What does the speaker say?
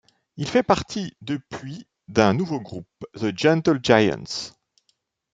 Il fait partie depuis d'un nouveau groupe, The Gentle Giants.